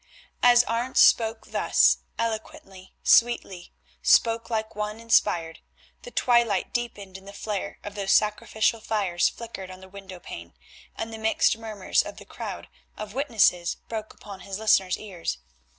As Arentz spoke thus, eloquently, sweetly, spoke like one inspired, the twilight deepened and the flare of those sacrificial fires flickered on the window pane, and the mixed murmurs of the crowd of witnesses broke upon his listeners' ears.